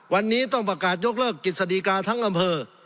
วันนี้ต้องประกาศยกเลิกกิจสดีกาทั้งอำเภอ